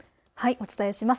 お伝えします。